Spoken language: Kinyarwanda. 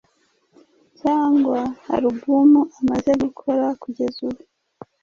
cyangwa alubumu amaze gukora kugeza ubu